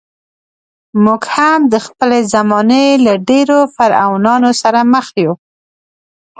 موږ هم د خپلې زمانې له ډېرو فرعونانو سره مخ یو.